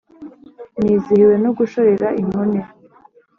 nizihiwe no gushorera inkone